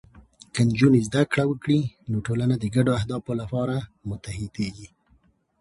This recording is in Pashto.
که نجونې زده کړه وکړي، نو ټولنه د ګډو اهدافو لپاره متحدېږي.